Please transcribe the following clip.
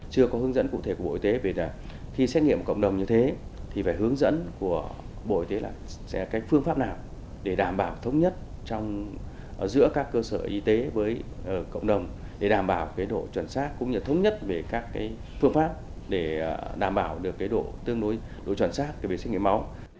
sở y tế với cộng đồng để đảm bảo độ chuẩn sát cũng như thống nhất về các phương pháp để đảm bảo được độ chuẩn sát về sinh nghiệm máu